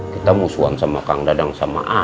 kita musuhan sama kang dadang sama a